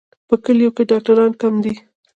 په کلیو کې ډاکټران کم دي.